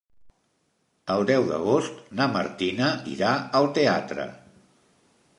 El deu d'agost na Martina irà al teatre.